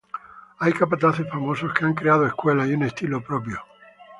Hay capataces famosos que han creado escuela y un estilo propio.